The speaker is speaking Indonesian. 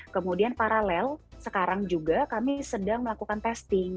kemudian paralel sekarang juga kami sedang melakukan testing